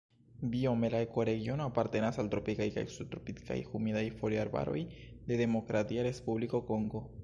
Biome la ekoregiono apartenas al tropikaj kaj subtropikaj humidaj foliarbaroj de Demokratia Respubliko Kongo.